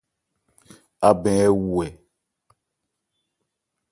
Abɛ ɛ wu ɛ ?